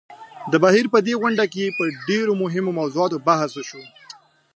د بهېر په دې غونډه کې په ډېرو مهمو موضوعاتو بحث وشو.